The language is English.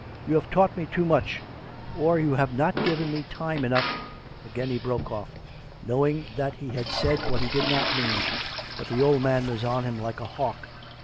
You have taught me too much, or you have not given me time enough " Again he broke off, knowing that he had said what he did not mean, but the old man was on him like a hawk.